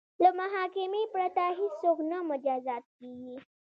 له محاکمې پرته هیڅوک نه مجازات کیږي.